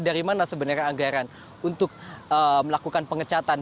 dari mana sebenarnya anggaran untuk melakukan pengecatan